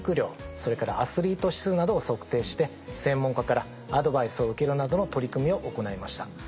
それからアスリート指数などを測定して専門家からアドバイスを受けるなどの取り組みを行いました。